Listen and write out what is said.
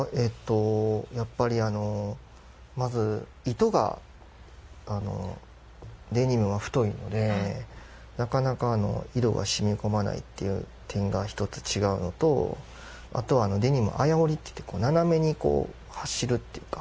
やっぱりまず糸がデニムは太いのでなかなか色がしみこまないという点が１つ違うのとあとはデニム、綾織って斜めに走るっていうか、